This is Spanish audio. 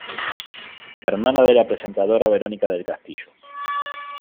Hermana de la presentadora Verónica del Castillo.